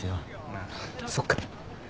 そっか。